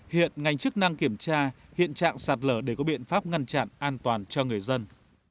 hiện ngành chức năng kiểm tra hiện trạng sạt lở để có biện pháp ngăn chặn an toàn cho người dân